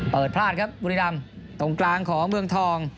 เปิดพลาดครับบุรีรัมต์ตรงกลางของเมืองทอง